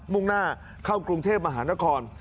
มุ่งหน้าเข้ากรุงเทพมหานคร